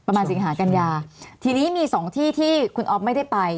ประมาณสิงหากันยาทีนี้มี๒ที่ที่คุณออฟไม่ได้ไป